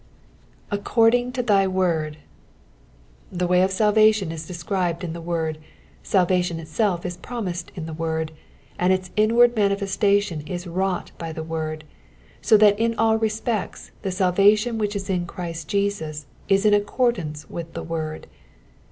^^ According to thy toord,^^ The way of salvation is described in the word, salvation itself is promised in the word, and its inward manifestation is wrought by the word ; so that in all respects the salvation which is in Christ Jesus is in accordance with the word.